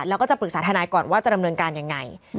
แล้วก็จะปรึกษาทนายก่อนว่าจะดำเนินการยังไง